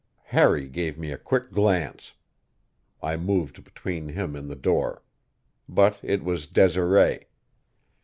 Harry gave me a quick glance; I moved between him and the door. But it was Desiree.